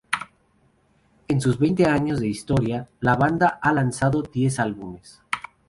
En sus veinte años de historia, la banda ha lanzado diez álbumes.